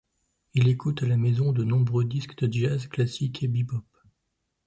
Il écoute à la maison de nombreux disques de jazz classique et bebop.